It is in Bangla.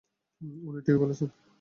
উনি ঠিকই বলেছেন।